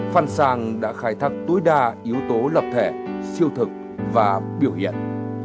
phan sang đã khai thăng tối đa yếu tố lập thể siêu thực và biểu hiện